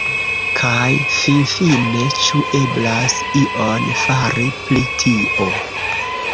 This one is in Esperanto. Kaj finfine, ĉu eblas ion fari pri tio?